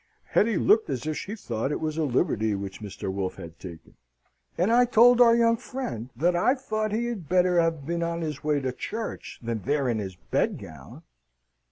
Hetty looked as if she thought it was a liberty which Mr. Wolfe had taken. "And I told our young friend that I thought he had better have been on his way to church than there in his bedgown."